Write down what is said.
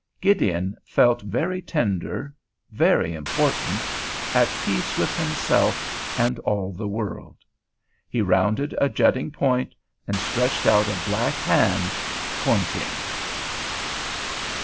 Gideon felt very tender, very important, at peace with himself and all the world. He rounded a jutting point, and stretched out a black hand, pointing.